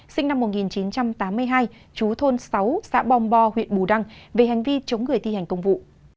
sinh năm một nghìn chín trăm tám mươi hai chú thôn sáu xã bong bo huyện bù đăng về hành vi chống người thi hành công vụ